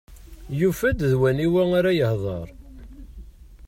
Yufa d waniwa ara yehder.